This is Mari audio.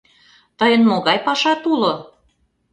— Тыйын могай пашат уло!